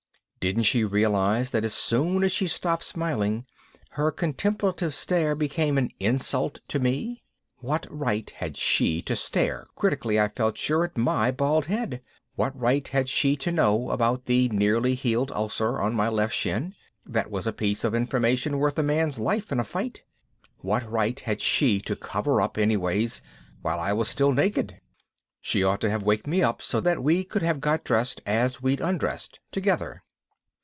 Didn't she realize that as soon as she stopped smiling, her contemplative stare became an insult to me? What right had she to stare, critically I felt sure, at my bald head? What right had she to know about the nearly healed ulcer on my left shin? that was a piece of information worth a man's life in a fight. What right had she to cover up, anyways, while I was still naked? She ought to have waked me up so that we could have got dressed as we'd undressed, together.